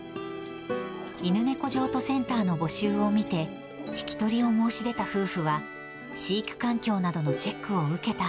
犬猫譲渡センターの募集を見て、引き取りを申し出た夫婦は、飼育環境などのチェックを受けた